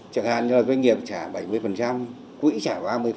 chẳng hạn như là doanh nghiệp trả bảy mươi quỹ trả ba mươi